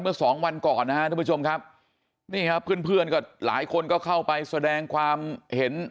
เมื่อสองวันก่อนนะครับทุกผู้ชมครับนี่ครับเพื่อนก็หลายคนก็เข้าไปแสดงความเห็น